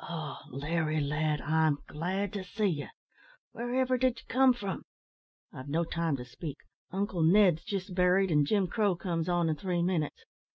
"Oh! Larry, lad, I'm glad to see ye. Wherever did ye come from? I've no time to speak. Uncle Ned's jist buried, and Jim Crow comes on in three minutes.